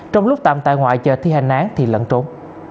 trong lúc tạm tại ngoại chờ thi hành án thì lẫn trốn